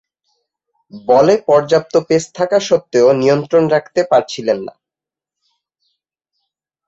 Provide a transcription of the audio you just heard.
বলে পর্যাপ্ত পেস থাকা সত্ত্বেও নিয়ন্ত্রণ রাখতে পারছিলেন না।